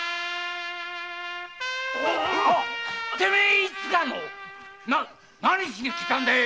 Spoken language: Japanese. てめえはいつかの何しに来たんでい！